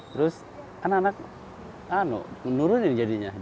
terus kan anak anak menurunin jadi jalan